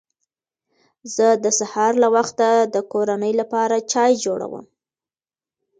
زه د سهار له وخته د کورنۍ لپاره چای جوړوم